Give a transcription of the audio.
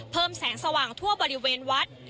แสงสว่างทั่วบริเวณวัด